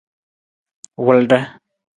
Wulda.